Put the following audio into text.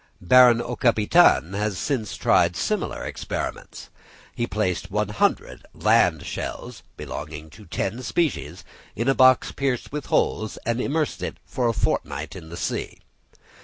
Baron Aucapitaine has since tried similar experiments. He placed 100 land shells, belonging to ten species, in a box pierced with holes, and immersed it for a fortnight in the sea.